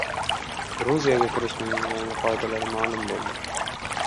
Gruziyaga kirishning yangi qoidalari ma’lum bo‘ldi